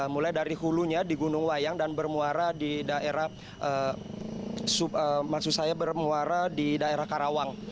mulai dari hulunya di gunung wayang dan bermuara di daerah maksud saya bermuara di daerah karawang